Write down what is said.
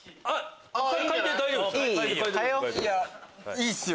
いいっすよ。